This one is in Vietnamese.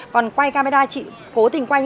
mày bỏ cái kiểu này đi nhá